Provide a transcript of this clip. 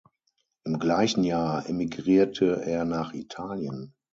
Im gleichen Jahr emigrierte er nach Italien.